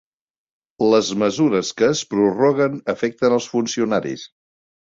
Les mesures que es prorroguen afecten els funcionaris.